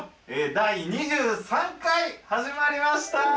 第２３回始まりました！